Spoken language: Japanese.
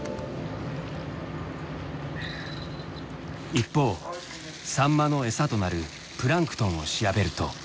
一方サンマのえさとなるプランクトンを調べると。